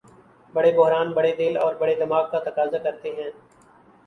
بڑے بحران بڑے دل اور بڑے دماغ کا تقاضا کرتے ہیں۔